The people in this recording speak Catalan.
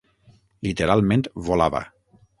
Literalment volava.